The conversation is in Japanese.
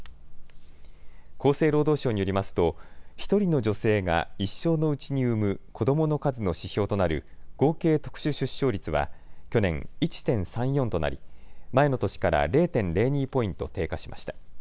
厚生労働省によりますと１人の女性が一生のうちに産む子どもの数の指標となる合計特殊出生率は去年１．３４となり前の年から０．０２ポイント低下しました。